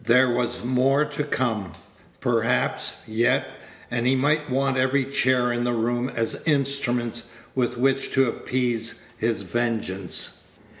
There was more to come, perhaps, yet, and he might want every chair in the room as instruments with which to appease his vengeance.